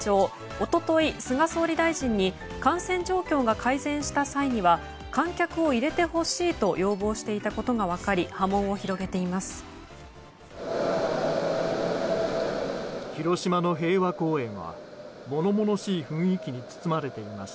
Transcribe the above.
一昨日、菅総理大臣に感染状況が改善した際には観客を入れてほしいと要望していたことが分かり波紋を広げています。